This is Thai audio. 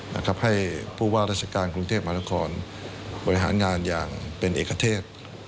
นะครับให้ผู้ว่าราชการกรุงเทพมหานครบริหารงานอย่างเป็นเอกเทศ